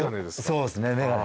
そうですね眼鏡。